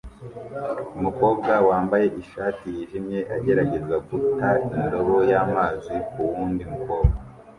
Umukobwa wambaye ishati yijimye agerageza guta indobo y'amazi kuwundi mukobwa